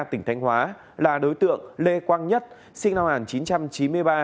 tỉnh thanh hóa là đối tượng lê quang nhất sinh năm một nghìn chín trăm chín mươi ba